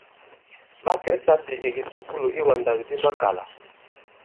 Ɓa kɛ̀ i sāpì ì kìsukulù iwàndàkdi makàlà.